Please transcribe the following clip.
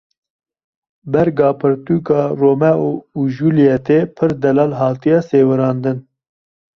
Berga pirtûka Romeo û Julîetê pir delal hatiye sêwirandin.